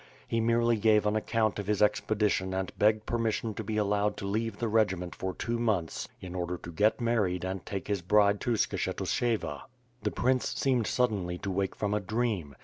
He merely gave an account of his expedition and begged permis sion to be allowed to leave the regiment for two months in order to get married and take his bride to Skshctusheva. The prince seemed suddenly to wake from a dream.